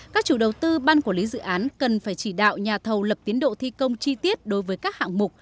các chủ đầu tư ban quản lý dự án cần phải chỉ đạo nhà thầu lập tiến độ thi công chi tiết đối với các hạng mục